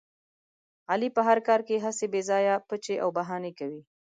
علي په هر کار کې هسې بې ځایه پچې او بهانې لټوي.